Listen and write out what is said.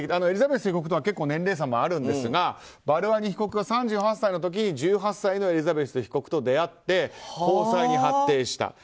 エリザベス被告とは年齢差もあるんですがバルワニ被告が３８歳の時１８歳のエリザベス被告と出会って交際に発展した。